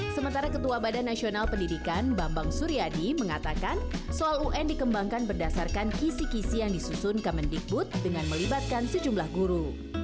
sementara ketua badan nasional pendidikan bambang suryadi mengatakan soal un dikembangkan berdasarkan kisi kisi yang disusun kemendikbud dengan melibatkan sejumlah guru